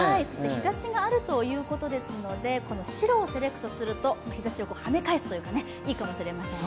日ざしがあるということですので白をセレクトすると、日ざしを跳ね返すというかいいかもしれません。